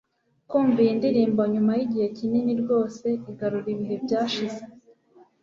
kumva iyi ndirimbo nyuma yigihe kinini rwose igarura ibihe byashize